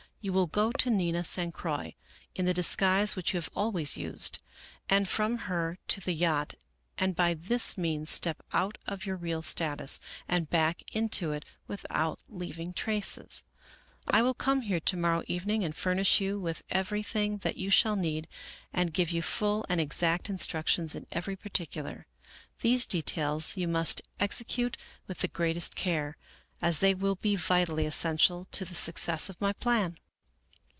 You will go to Nina San Croix in the disguise which you have always used, and from her to the yacht, and by this means step out of your real status and back into it without leaving traces. I will come here to morrow evening and furnish you with every thing that you shall need and give you full and exact in structions in every particular. These details you must exe cute with the greatest care, as they will be vitally essential to the success of my plan."